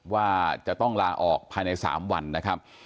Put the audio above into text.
ว่าจะต้องลาออกภายใน๓วันนะครับ